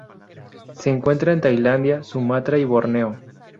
Se encuentra en Tailandia, Sumatra y Borneo.